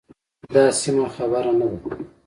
دا سمه خبره نه ده.